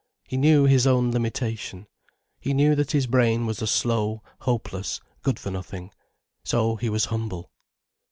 He knew his own limitation. He knew that his brain was a slow hopeless good for nothing. So he was humble.